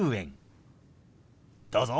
どうぞ。